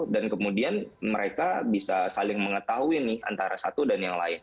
dan kemudian mereka bisa saling mengetahui nih antara satu dan yang lain